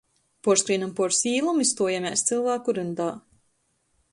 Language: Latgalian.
Puorskrīnam puors īlom i stuojamēs cylvāku ryndā.